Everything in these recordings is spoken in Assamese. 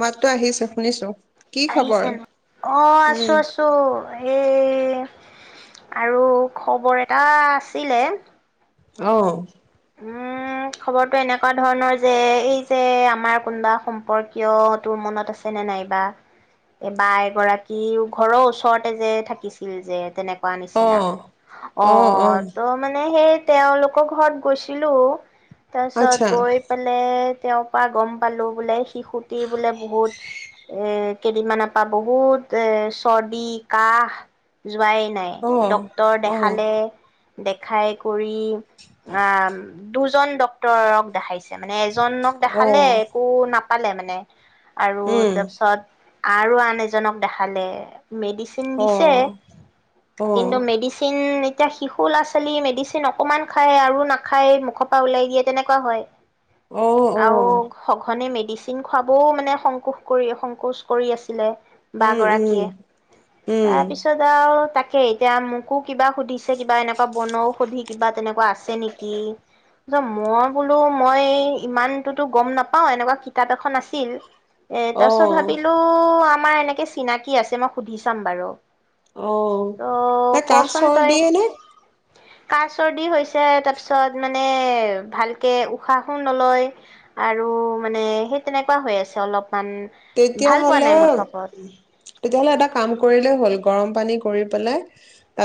মাততো আহিছে শুনিছো কি খবৰ আহিছে ন', অ' আছো উম আছো এই এই আৰু খবৰ এটা আছিলে অ' উম খবৰটো এনেকোৱা ধৰণৰ যে, এই যে আমাৰ কোনোবা সম্পৰ্কীয় তোৰ মনত আছেনে নাইবা এ বা এগৰাকী ঘৰৰ ওচৰতে যে থাকিছিল যে তেনে পোৱা অ নিচিনা অ' অ' ত' মানে সেই তেওঁলোকৰ ঘৰত কৈছিলো তাৰ পিছত আচ্ছা গৈ পালে তেওঁৰ পৰা গম পালো বোলে শিশুটিৰ বোলে বহুত এ কেইদিনমানৰ পৰা বহুত এ চৰ্দি-কাহ যোৱাই নাই অ ডক্তৰ অ দেখালে দেখাই কৰি আম, দুজন ডক্তৰক দেখাইছে মানে, এজনক অ দেখালে, একো নাপ পালে মানে আৰু উম তাৰপিছত আৰু আন এজনক দেখালে মেডিচিন অ দিছে, অ কিন্তু মেডিচিন এতিয়া শিশু ল'ৰা-ছোৱালীৰ মেডিচিন, অকণমান খাই, আৰু নাখায়। মুখৰ পৰা ওলাই দিয়ে, তেনেকুৱা হয় অ অ আৰু সঘনে মে ডিচিন খুৱাবও, মানে, সংকোচ কৰি, সংকোচ কৰি আছিলে। বা উম উম গৰাকীয়ে, উম তাৰ পিছত, আৰু তাক কে, এতিয়া মোকো কিবা সুধিছে। কিবা এনেকুৱা বনৌষধি, কিবা তেনেকুৱা কোৱা আছে নেকি? মই বোলো, মই ইমানটোতো গম নাপাওঁ। এনেকুৱা কিতাপ এখন আছিল। এ, অ তাৰপিছত ভাবিলো আমাৰ এনেকে চিনাকি আছে। মই সুধি চাম বাৰু অ', ত' তাইৰ কাহ-চৰ্দিয়ে নে? কাহ-চৰ্দি হৈছে। ছে। তাৰ পিছত, মানে, ভালকে উশাহো নলয়। আৰু, মানে, সেই, তেনেকুৱা হৈ আছে অলপ তেতিয়াহ'লে, তেতিয়াহ'লে এটা কাম কৰিলেই হ'ল গৰম পানী কৰি পেলাই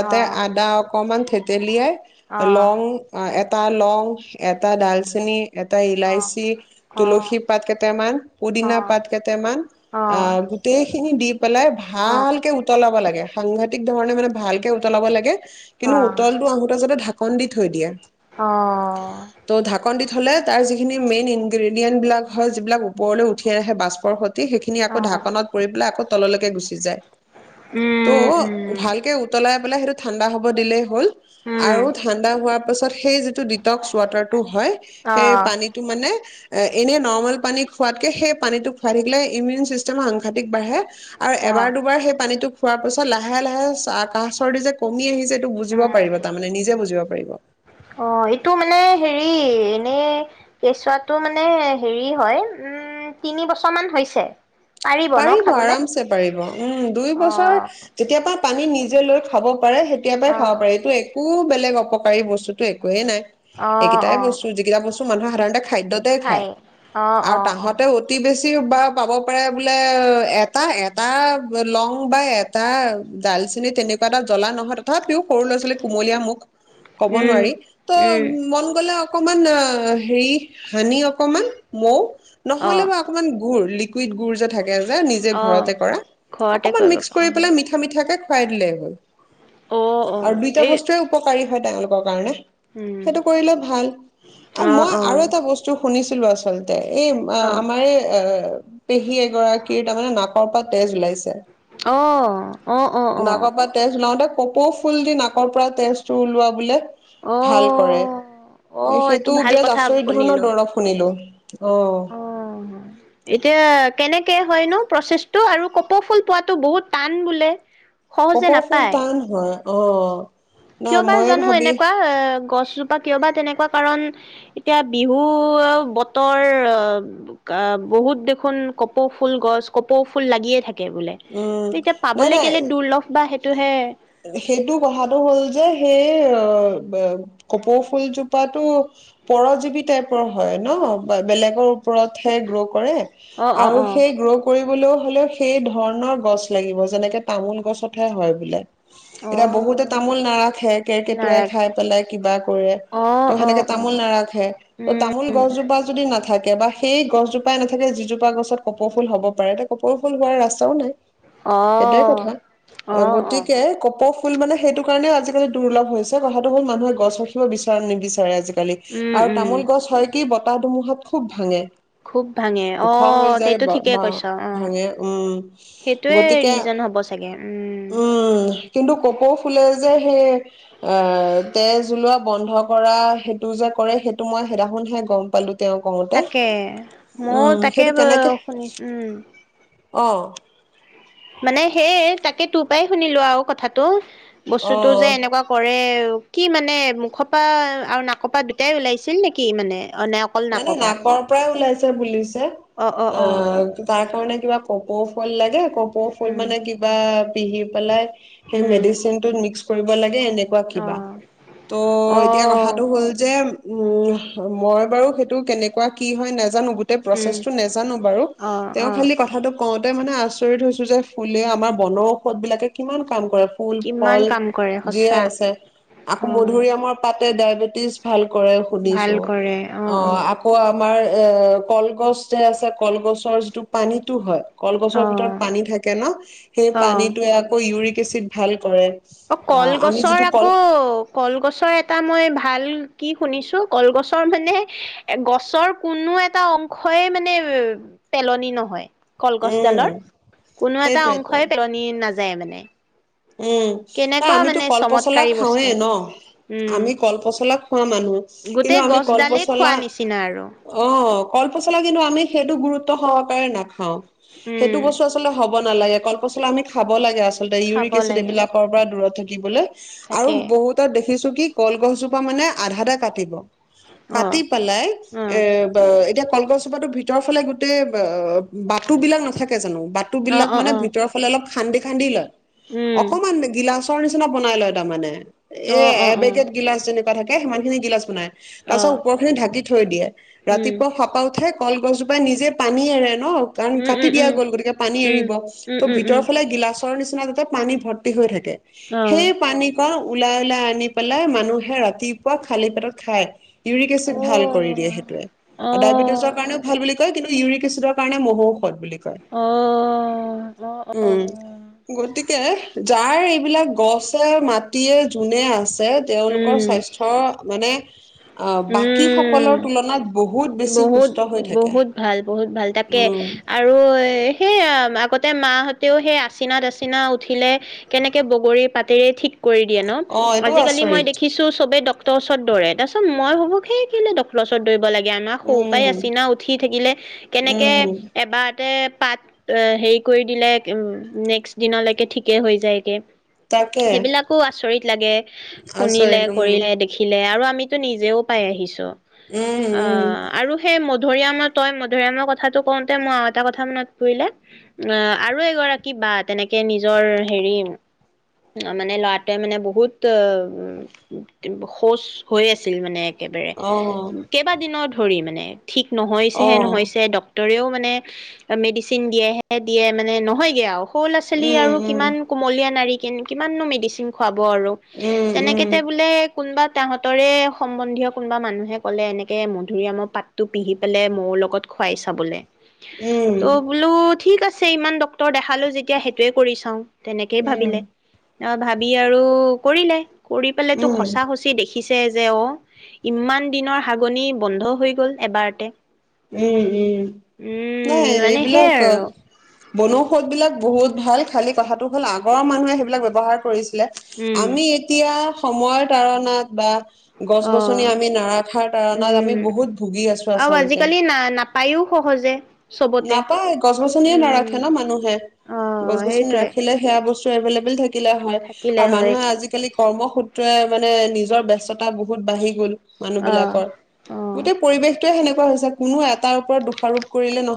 অ আদা অকণমান থেতেলিয়াই অ লং এ টা লং এটা ডালচেনী, এটা অ ইলাচি, অ তুলসী পাত কেইটামান, অ পুদিনা পাত কেইটামান, অ আ, গোটেই সেইখিনি দি পেলাই, অ ভালকে উতলাব লাগে সাংঘাতিক ধৰণে, মানে, ভালকে উতলাব লাগে কিন্তু উতলটো আহোঁতে, যাতে ধা ঢাকুণ দি থৈ দিয়া অ'। দি থ'লে, তাৰ যিখিনি মেইন ইনগ্ৰিডিয়েণ্টবিলাক হয়, যিবিলাক ওপৰলৈ উঠি আহে, বাচ পৰ [unintelligible] সেইখিনি আকৌ অ ঢাকণত পৰি পেলাই, আকৌ তললৈকে গুচি যায়। ত' উম উম ভালকে উতলাই, পেললে সেইটো ঠাণ্ডা হব দিলেই হ'ল, উম আৰু ঠাণ্ডা হোৱাৰ ত পিছত সেই যিটো ডিটক্স ৱাটাৰ টো হয় অ সেই পানীটো মানে, এ এনে নৰ্মেল পানী খোৱাতকে সেই পানীটোক, খাই থাকিলে ইমউন ছিষ্টেমৰ আংশাটিক বাঢ়ে। আৰু অ এবাৰ দুবাৰ সেই পানীটোক, খোৱাৰ পিছত লাহে লাহে কাহ চৰদি যে কমি আহিছে। সেইটো বুজিব উম পাৰিব তাৰ মানে নিজে বুজিব পাৰিব। এ এনেই কেঁচুৱাটো মানে হেৰি হয় উম তিনি বছৰ মান হৈছে। ন পাৰিব খাবলে আৰামছে পাৰিব উম দুই বছৰ অ তেতিয়া পৰা পানী নিজ লৈ খাব পাৰে তেতিয়াৰ পৰাই খাব অ', পাৰে এইটো এক একো বেলেগ অপকাৰী বস্তুতো একোৱেই নাই। অ', এইকেইটাই অ', বস্তু যিকেইটা বস্তু মানহ সাধাৰণতে খাদ্যতে খাই খায় অ', আৰু অ', অ'। তাহাতে অতি বেছ বা পাব পাৰে এ এটা লং বা এটা ডালচেনি তেনেকুৱা এটা জলা নহয় তথাপিও সৰু ল'ৰা ছোৱালী কুমলীয়া মুখ ক'ব উম, নোৱাৰি ত উম, মন গ'লে অকমান অ' হেৰি হানি অকমান মৌ। নহলে অ', মই অকমান গু লিকোইদ গুৰ নিজে অ', ঘৰতে কৰা ঘৰতে অকমান কৰিব মিস্ক পা অ', কৰি পেলাই মিঠা মিঠে কে। অ', [unintelligible] আৰু অ', দুইটা এই বস্তুৱেয়ে উপকাৰী হয়। তেওঁলোকৰ কাৰণে উম, সেইটো কৰিলে ভাল আৰু অ', মই অ', আৰু এটা বস্তু শুনিছিলো আচলতে এই অ', আমাৰে অ' পেহী তাৰমানে নাকৰ পৰা তেজ ওলাইছে। অ' অ' অ' নাকৰ অ'। পৰা তেজ ওলাওতে কপৌ ফুল দি নাকৰ পৰা তেজটো ওলোৱা বোলে অ', ভাল কৰে এ অ', এইটো সেইটো ভাল বিৰাট কথা আচৰিত ধৰণৰ শুনিলো দৰৱ শুনিলো। অহ। অ'। এতিয়া কেনেকে হয় নো প্ৰচেছটো আৰু কপৌ ফুল পোৱাতো বহুত টান বোলে? সহজে কপৌ ফুল নাপায়। টান হয়। অ'। নাই কিয় বাৰ ময়ে জানো ভাবি এনেকুৱা গছজোপ কিয় বা তেনেকুৱা কাৰণ এতিয়া বিহু বতৰ অ' বহুত দেখোন কপৌ ফুল গছ কপৌ ফুল লাগিয়ে থাকে। বোলে উম এতিয়া নাই পাবলৈ কেলে নাই দৰ্লভ বা সেইটো হে সেইটো কথাটো হ'ল যে সেই অ কপৌ ফুলজোপা পৰজীৱি টাইপৰ হয় ন বেলেগৰ ওপৰতহে গ্ৰো কৰে অ অ আৰু অ সেই গ্নৰু কৰি বোলেও হলে সেই ধৰণৰ গছ লাগিব যেনেকে তামোল গছতহে হয় বোলে। অ এতিয়া বহুতে তামোল নাৰাখে কেৰকটুৱাই খাই নাৰাখে পেলাই কিবা কৰে অ ত' অ সেনেকে অ তামোল নাৰাখে ত' তামোল উম গছজোপা যদি নাথাকে বা সেই গছজোপাই নাথাকে যিজোপা গছত কপৌ ফুল হ'ব পাৰে এ কপৌ ফুল হোৱাৰ ৰাস্তা নাই অ সেইটোয়ে কথা অ গতিকে কপ ফুল মানে সেইটো কাৰণেও আজিকালি দুৰ্লভ হৈছে কথাটো হ'ল মানুহে গছ ৰাখিব বিচাৰে নিবিচাৰে আজিকালি উম আৰু উম তামোল গছ হয় কি বতাহ ধুমুহাত খুব ভাঙে। খুব ভাঙে ওখ হৈ অ' যায় সেইটো বা ঠিকেই কৈছ অ'। ভাঙে উম সেইটোয়ে গতিকে ৰিজন হব‌ চাগে। [inaudible] উম কিন্তু কপৌ ফুলে যে সেই আহ তেজ ওলোৱা বন্ধ কৰা টো যে কৰে সেইটো মই সেইনাখন হে গম পালো। তেওঁ কওঁতে তাকে ময় উম তাকে সেইটো কেনেকে শুনিছো উম অ'। মানে সেইয়ে, তাকে তোৰ পাই শুনিলো আৰু কথাটো। বস্তুতটো যে অ এনেকুৱা কৰে। কি মানে মুখপা আৰু নাকপা দুটাই ওলাইছিল নেকি মানে? অ নে অকল মানে পৰা নাকৰ পৰাই ওলাইছে বুলিছ অ, তাৰ কাৰণে। কিবা কপৌ ফুল লাগে। কপৌ ফুল উম মানে কিবা। পিহি পেলাই। সেই উম মেডিচিনটোত মিক্স কৰিব লা এনেকুৱা অ কিবা, অ ত' এতিয়া কথাটো হ'ল যে। ওম মই বাৰু। সেইটো কেনেকুৱা কি হয় নাজানো- নাজানো গোটেই উম প্ৰচেছটো নাজানো বাৰু। অ তেওঁ অ খালী কথাটো কওঁতে তাতে মানে আচৰিত হৈছো যে ফুলে আমাৰ বনৌঔষধ বিলাকে কিমান। কাম কৰে ফুল কিমান ফল কাম কৰে যিয়ে সঁচা আছে আকৌ অ মধুৰিআমৰ পাত। ডায়েবেটিছ ভাল। কৰে ভাল শুনিছোঁ। কৰে অ অ অহ, আকৌ আমাৰ এ কলগছ যে আছে কলগছৰ যিটো পানীতো হয়। অ কলগছৰ ভিতৰত পানী থাকে ন, সেই অ পানীতোয়ে আকৌ ইউৰিক কেচিত ভাল কৰে। অ, আমি কলগছৰ যিটো আকৌ, কল কলগছৰ এ এটা মই ভাল কি শুনিছো কলগছৰ মানে গছৰ কোনো এটা অংশই মানে পেলনি নহয়। উম কলগছডালৰ কোনো এটা সেইটোয়েতো অংশই পেলনি নাযা যায় মানে। উম অ কেনেকুৱা আমিতো মানে কলপচলা চমৎকাৰী বস্তু খাওঁৱেই ন, উম আমি কলপচলা খোৱা মানুহ কিন্তু গোটেই আমি গছডালেই খোৱা কলপচলা, নিচিনা আৰু অ কলপচলা কিন্তু আমি। সেইটো গুৰুত্ব সহকাৰে নাখাওঁ। উম সেইটো বস্তু আচলতে হ'ব নালাগে কলপচলা আমি খাব লাগে আ আচলতে খাব ইউৰিক এচিদ লাগে এইবিলাকৰ পৰা দূৰত থাকি কি বোলে। আৰু তাকে বহুতৰ দেখি [unintelligible] কি কলগছজোপা মানে আধাতে কাটিব। অ পাতি পেলাই, অ এ ব এতিয়া কলগছজোপাটো ভিতৰ ফালে গোটেইব বাতু বিলাক নাথাকে জানো, বাটু অ বিলাক অ মানে অ ভিতৰৰ ফালে অলপ খান্দি খান্দি লয়। উম। অকমান গিলাচ তৰ নিচিনা বনাই লয় তাৰমানে। অ এই অ অ এবেগেত গিলাচ যেনেক থাকে, সিমান খিনি গিলাচ বনাই। অ তাৰপাছত ওপৰ খিনি ঢাকি থৈ দিয়ে। উম ৰাতিপুৱা সাপা উঠেক কলগছজোপাই নিজে পানী এৰে ন, কাৰণ উম কাটি উম দিয়া উম গ'ল, গতিকে পানী উম এৰিব, উম ত' উম উম ভিতৰফালে গিলাচ তৰ নিচিনা পানী ভৰ্তি হৈ থাকে। কে, অ সেই পানীকণ ওলাই ওলাই আনি পেলাই মানুহে ৰাত তিপুৱা খালি পেটত খাই, ইউৰিক অ', এচিড ভাল কৰি দিয়ে সেইটোৱে, অ', আৰু ডায়েবেটিজৰ কাৰণেও ভাল বুলিক কিন্তু ইউৰিক এচিডৰ কাৰণে মহৌষ বুলি কয়। অ', অ', অ', অ'। উম, গতিক যাৰ এইবিলাক গছে, মাটিয়ে, জোনে আছ ছে, তেওঁলোকৰ উম, স্বাস্থ্যৰ মানে অ' বাকী সকলৰ উম, তুলনাত বহু বহুত, বহুত ভাল, বহুত ভাল তাকে, উম আৰু সেইয়া, আগত তে মাহঁতেও সেই আছিনা তাচিনা উঠিলে কেনেকে বগৰী পাতেৰে ঠিক কৰি দিয়ে ন? অ এইটো আজিকালি মই আচৰিত দেখিছোঁ চবে ডক তৰ ওচৰত দৌৰে, তাৰপিছত মই ভাবো, সেই ক'লে ওৰত দৌৰিব লাগে। জ্ঞানৰ সৰু পাই উম আচিনা উঠি থাকিলে, কেনেকে উম এবাৰতে পাত, হেৰি কৰি দিলে, নেক্সট দিনালৈকে ঠিকে হৈ যায়গে। তাকে সেইবিলাকো আচৰিত লাগে, শুনিলে, আচৰিত উম কৰিলে, দেখিলে, আৰু আ আমিতো নিজেও পাই আহিছো। উম অ উম। আৰু সেই মধুৰিআমৰ তই মধুৰিআমৰ কথাটো কওঁতে মই আৰু এটা কথা মান পৰিলে, অহ, আৰু এগৰাকী বা তেনেকে নিজৰ হেৰি মানে ল'ৰাটোৱে মানে বহুত, উম, শৌচ হৈ আছিল মানে অ একেবাৰে নধৰি মানে ঠিক নহৈছে অ হে নহৈছে ডক্ ডক্তৰেও মানে মেডিচিন দিয়েহে দিয়ে মানে নহয়গে আৰু। সৰু ল'ৰা -ছোৱলী উম আৰু উম কিমান কুমলীয়া নাৰী কিমাননো মেডিচিন খোৱা ব আৰু উম তেনেকে বোলে কোনোবা তাহতৰে সম্বন্ধীয় কোনোবা মানুহে ক'লে এনেকে তাকে মধুৰিআমৰ পাতটো পিহি পেলাই মৌৰ লগত খোৱাই চাবলৈ। উম উম তঅ বোলো ঠিক আছে ছে ইমান ডক্তৰ দেখালো যেতিয়া সেইটোয়ে কৰি চাওঁ। তেনেকেই উম ভাবিলে অহ, ভাবি আৰু কৰিলে। কৰি পেলিটো উম সঁচা সঁচি দেখি দেখিছে যে অহ, ইমান দিনৰ হাগু কনি বন্ধ হৈ গ'ল এবাৰতে। উম,। উম। নাই উম মানে এইবিলাক সেইয়াই আৰু বনৌষধ বিলাক বহুত ভাল, খালী কথাটো হ'ল আগৰ মানুহে সেইবিলাক ব্যৱহাৰ কৰিছ [unintelligible] উম আমি এতিয়া সময়ৰ তাৰণাত বা গছ-গছনি অ' আমি নাৰাখাৰ তাৰণাত আমি বহুত ভুগি আছোঁ আচলতে। না-নাপায়ও সহজে সবতে, নাপায় গছ গছনিয়ে নাৰাখে উম, ন মানুহে অহ, সেইটোৱে। এভেলেবল থাক থাকিলে হয় থাকিলে আৰু হয় মানুহে আজিকালি কৰ্মসূত্ৰে মানে নিজৰ ব্যস্ততা বহুত বাঢ়ি গ'ল। অ' মানুহবিলাকৰ অ' গোটেই পৰিৱেশ কিয় সেনেকুৱা হৈছে কোনো এটাৰ ওপৰত দোষাৰোপ কৰিলে নহয়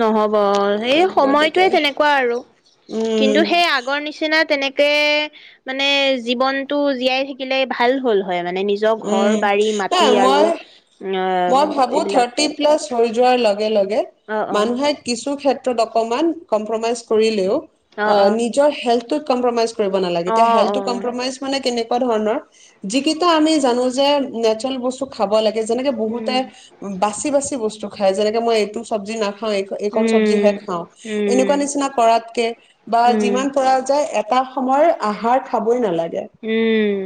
নহব অহ, এই সময়টোৱে গতিকে তেনেকুৱা আৰু, কিন্তু উম, সেই আগৰ নিচিনা তেনেক কে মানে জীৱনতটো জীয়াই থাকিলে ভাল হ'ল। হয় মানে নিজৰ উম, ঘৰ-বৰি, নাই মাটি আৰু মই মই আহ ভাবু এইবিলাক থাৰ্তি প্লাচ থৈ যোৱাৰ লগ লগে-লগে অ অ মানুহে কিছু ক্ষেত ত অকমান কম্প্ৰ'মাইজ কৰিলেও অ', নিজৰ হেল টো কমপ্ৰ'মাইজ কৰিব নালাগে। অ অ এতিয়া অ হেলথটো মানে কেনে এনেকুৱা ধৰণৰ যি কিটা আমি জানো যে নেচেৰেল বস্তু খাব লাগে যেনে বহুতে উম বাচি বাচি বস্তু খাই যেনেকে মই এইটো চব্জি নাখ [unintelligible] এইক-এইকণ চব্জিহে উম খাওঁ, উম এনেকুৱা নিচিনা কৰাতকে বা উম যিমান পৰা যায় এত এটা সময়ৰ আহাৰ খাবই নালাগে উম।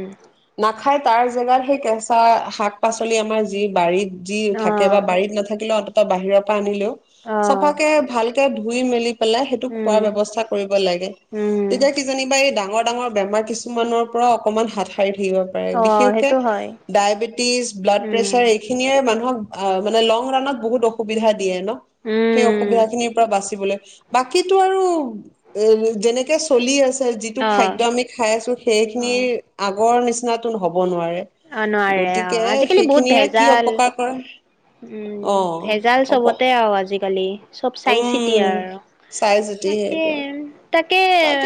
খাই তাৰ জেগাত সেই কেঁচা শাক-পাছলি আমাৰ যি বাৰীত যি অ থাকে বা বাৰীত নাথাকিলেও অ বাহিৰৰ পৰা আনিলেও অ চাফাকে ভাল কে ধুই-মেলি পেলাই সেইটোক উম খোৱাৰ ব্যৱস্থা কৰিব লাগে। উম তেতিয়া কিজানিবা এই ডাঙৰ ডাঙৰ বেমাৰ কিছুমানৰ পৰা অকমান হাত সাৰি থাকিব পাৰে। অ বিশেষকে সেইটো হয় ডায়েবেটিচ, ব্লাড উম প্ৰেচাৰ এইখিনিয়ে মানুহক অ', মানে লং ৰাণত বহুত অসুবিধা দিয়ে ন' সেই উম অসুবিধাখিনিৰ পৰা বাচিবলৈ বাকীটো আৰু এ যেনেকে চলি আছে যিটো অ খাদ্য আমি খাই আছো অ সেইখিনিৰ আগত আগৰ নিচিনাটো নহ'ব কৰিব নোৱাৰে অ নোৱাৰে অ গতিকে আজিকালি সেই বহুত ভেজাল উম অ ভেজাল অপ চবতে আৰু আজিকালি চব চাই-চিতি উম আৰু আৰু চাই চিতি তাকে সেইটোৱে তাকে এ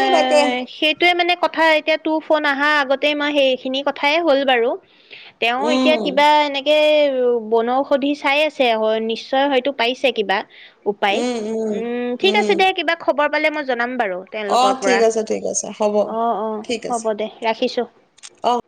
সেইটোৱে মানে কথা এতিয়া তোৰ ফোন আহা আগতে মই সেইখিনি কথাই হ'লো বাৰু তেওঁ এতিয়া উম কিবা এনেকে বনৌষধি চাই আছে, অ' নিশ্চয় হয়তো পাইছে কিবা উপায়। উম ঠিক আছে উম, দে কিবা খৱৰ মজত নাম বাৰু তেওঁলোকৰ অ', ঠিক পৰা আছে, ঠিক আছে, হ'ব, অ অ ঠিক হ'ব আছে, দে ৰাখিছো অ'।